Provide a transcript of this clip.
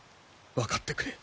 分かってくれ。